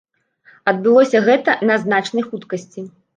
Адбылося гэта на значнай хуткасці.